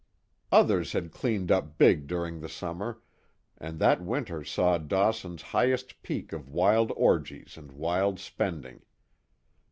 Others had cleaned up big during the summer, and that winter saw Dawson's highest peak of wild orgies and wild spending.